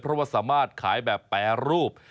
เพราะว่าสามารถขายแบบแปรรูป